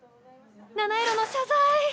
七色の謝罪！